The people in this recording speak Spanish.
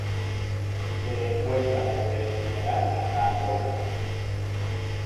Se encuentra desde el Senegal hasta Angola.